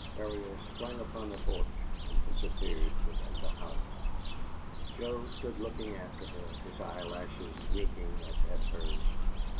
Ariel sprang upon the porch and disappeared within the house. Joe stood looking after her, his eyelashes winking as had hers.